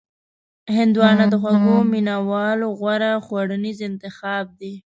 هندوانه د خوږو مینوالو غوره خوړنیز انتخاب دی.